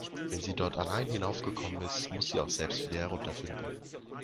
Wenn sie dort allein hinauf gekommen ist, muss sie auch selbst wieder herunter finden.